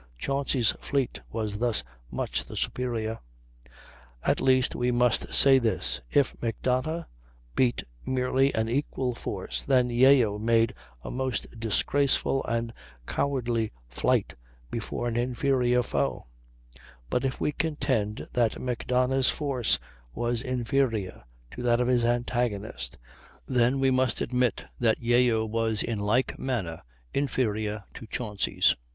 Chauncy's fleet was thus much the superior. At least we must say this: if Macdonough beat merely an equal force, then Yeo made a most disgraceful and cowardly flight before an inferior foe; but if we contend that Macdonough's force was inferior to that of his antagonist, then we must admit that Yeo's was in like manner inferior to Chauncy's.